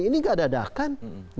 ini tidak dadakan